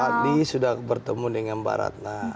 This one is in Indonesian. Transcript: pak fadli sudah bertemu dengan mbak ratna